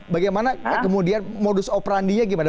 bagaimana kemudian modus operandinya gimana